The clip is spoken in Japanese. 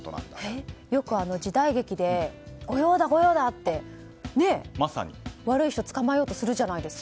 よく、時代劇で御用だ、御用だ！って悪い人捕まえようとするじゃないですか。